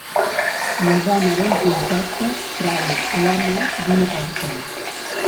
La dona ben composta trau l'home d'una porta.